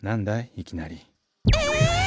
いきなり。えっ！